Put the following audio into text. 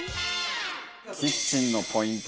キッチンのポイント